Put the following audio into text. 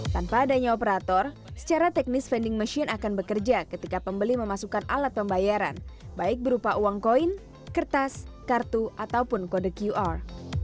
tanpa adanya operator secara teknis vending machine akan bekerja ketika pembeli memasukkan alat pembayaran baik berupa uang koin kertas kartu ataupun kode qr